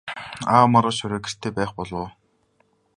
Аав маргааш орой гэртээ байх болов уу?